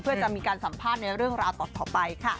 เพื่อจะมีการสัมภาษณ์ในเรื่องราวต่อไปค่ะ